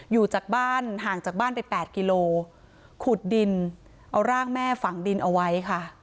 อยู่จากบ้านห่างจากบ้านไป๘กิโลขุดดินเอาร่างแม่ฝังดินเอาไว้ค่ะ